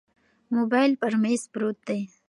موبایل پر مېز پروت دی.